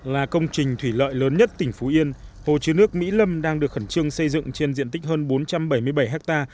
là công trình thủy lợi lớn nhất tỉnh phú yên hồ chứa nước mỹ lâm đang được khẩn trương xây dựng trên diện tích hơn bốn trăm bảy mươi bảy ha